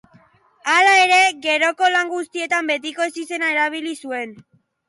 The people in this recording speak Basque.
Hala ere, geroko lan guztietan betiko ezizena erabili zuen.